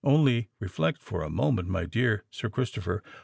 "Only reflect for a moment, my dear Sir Christopher.